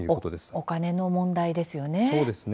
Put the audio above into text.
お金の問題ですよね。